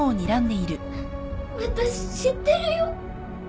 私知ってるよ